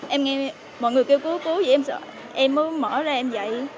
em nghe mọi người kêu cứu cứu dây em sợ em mới mở ra em dậy